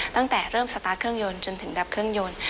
ตั้งแต่เริ่มสตาร์ทเครื่องยนต์จนถึงดับเครื่องยนต์